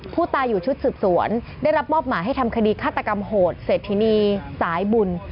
ผู้ตายอยู่ชุดสืบสวนได้รับมอบหมายให้ทำคดีฆาตกรรมโหดเศรษฐินีสายบุญ